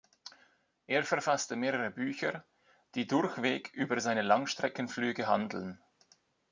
Er verfasste mehrere Bücher, die durchweg über seine Langstreckenflüge handeln.